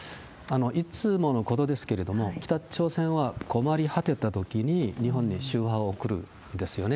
いつものことですけれども、北朝鮮は困り果てたときに、日本に秋波を送るんですよね。